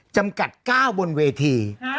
จำกัด๙บนเวที